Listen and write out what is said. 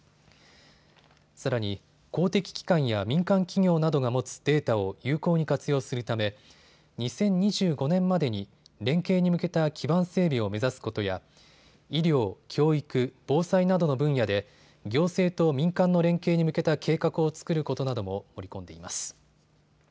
さらに公的機関や民間企業などが持つデータを有効に活用するため２０２５年までに連携に向けた基盤整備を目指すことや医療、教育、防災などの分野で行政と民間の連携に向けた計画を作ることなども盛り込んでいます。